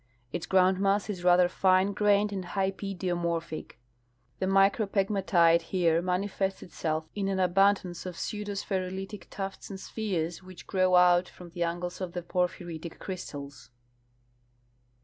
Its groundmass is rather fine grained and hypidiomorphic. The micropegmatite here manifests itself in an abundance of pseudospherulitic tufts 70 H. F. Reid — Studies of Midr Glacier. and spheres, which grow out from the angles of the porphvritic cr3^stals.